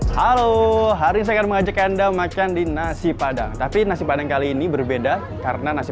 halo hari saya akan mengajak anda makan di nasi padang tapi nasi padang kali ini berbeda karena nasi